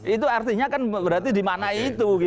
itu artinya kan berarti dimana itu